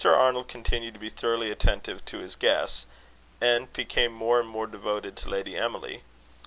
Arnold continued to be thoroughly attentive to his guests, and became more and more devoted to Lady Emily.